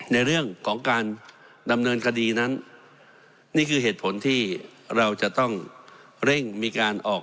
ในเรื่องของการดำเนินคดีนั้นนี่คือเหตุผลที่เราจะต้องเร่งมีการออก